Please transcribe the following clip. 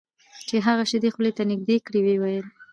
هغه چې شیدې خولې ته نږدې کړې ویې ویل: